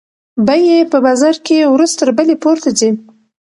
بیې په بازار کې ورځ تر بلې پورته ځي.